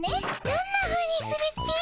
どんなふうにするっピィ？